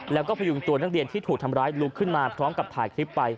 แล้วก็พยุงตัวนักเรียนที่ถูกทำร้ายลุกขึ้นมาพร้อมกับถ่ายคลิปไป